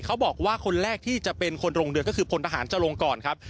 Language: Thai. เขาบอกว่าคนแรกที่จะเป็นคนลงเรือก็คือพลทหารจรงก่อนครับ